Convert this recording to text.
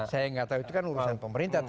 saya gak tau itu kan urusan pemerintah